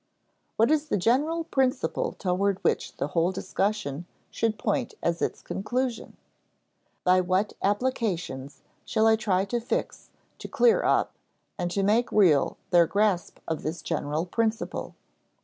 What is the general principle toward which the whole discussion should point as its conclusion? By what applications shall I try to fix, to clear up, and to make real their grasp of this general principle?